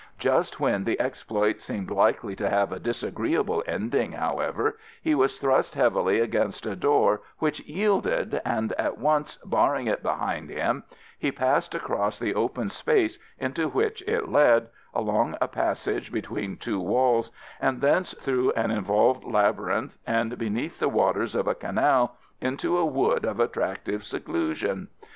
Just when the exploit seemed likely to have a disagreeable ending, however, he was thrust heavily against a door which yielded, and at once barring it behind him, he passed across the open space into which it led, along a passage between two walls, and thence through an involved labyrinth and beneath the waters of a canal into a wood of attractive seclusion.